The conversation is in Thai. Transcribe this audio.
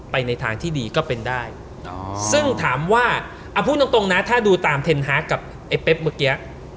ในทางที่ดีก็เป็นได้ซึ่งถามว่าเอาพูดตรงนะถ้าดูตามเทนฮาร์กกับไอ้เป๊บเมื่อกี้